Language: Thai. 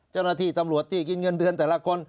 เจ้าหน้าที่ตำรวจที่กินเงินเดือนแต่ละคน